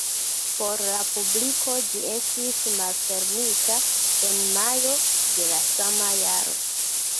Por la publiko ĝi estis malfermita en majo de la sama jaro.